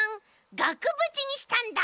がくぶちにしたんだ！